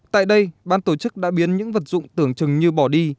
tại đây ban tổ chức đã biến những vật dụng tưởng chừng như bỏ đi